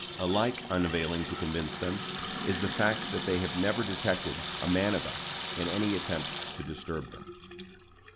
Alike unavailing to convince them is the fact that they have never detected a man of us in any attempt to disturb them.